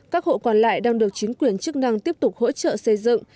các hộ còn lại đang được chính quyền chức năng tiếp tục hỗ trợ xây dựng